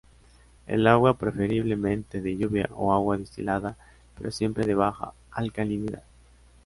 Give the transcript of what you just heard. El agua preferiblemente de lluvia ó agua destilada, pero siempre de baja alcalinidad.